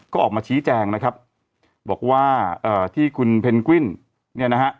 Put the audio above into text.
ก็ออกมาชี้แจงนะครับบอกว่าเอ่อที่คุณเพนกวิ้นเนี่ยนะฮะ